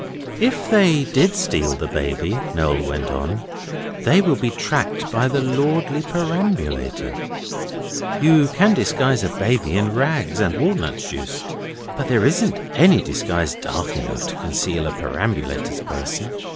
'If they did steal the Baby,' Noel went on, 'they will be tracked by the lordly perambulator. You can disguise a baby in rags and walnut juice, but there isn't any disguise dark enough to conceal a perambulator's person.